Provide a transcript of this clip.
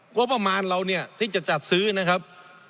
งบประมาณเราเนี่ยที่จะจัดซื้อนะครับ